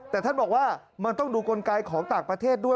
แต่ท่านบอกว่ามันต้องดูกลไกของต่างประเทศด้วย